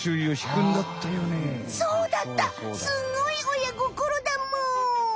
すごいおやごころだむ！